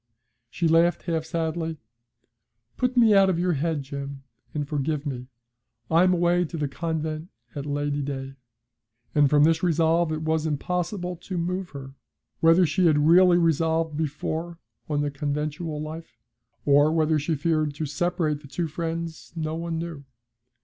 She laughed half sadly. 'Put me out of your head, Jim, and forgive me. I'm away to the Convent at Lady Day.' And from this resolve it was impossible to move her. Whether she had really resolved before on the conventual life, or whether she feared to separate the two friends, no one knew.